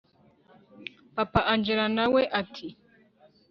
papa angella nawe ati